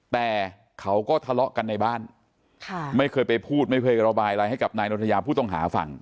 แต่เขาก็ทะเลาะกันในบ้านไม่เคยไปพูดไม่เคยระบายอะไรให้กับนายนทยาผู้ต้องหาฟัง